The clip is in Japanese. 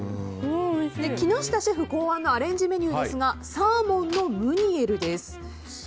木下シェフ考案のアレンジレシピですがサーモンのムニエルです。